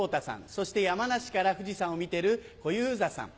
そして山梨から富士山を見てる小遊三さん。